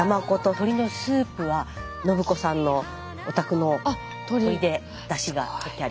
鶏のスープは信子さんのお宅の鶏でだしがとってあります。